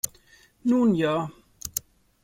Nun ja.